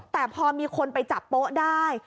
แต่พอมีคนไปจับโป๊ะได้